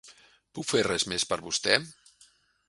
Puc fer res més per vostè?